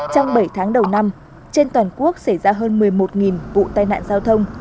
trong bảy tháng đầu năm trên toàn quốc xảy ra hơn một mươi một vụ tai nạn giao thông